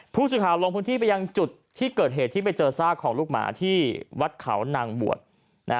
ผู้สื่อข่าวลงพื้นที่ไปยังจุดที่เกิดเหตุที่ไปเจอซากของลูกหมาที่วัดเขานางบวช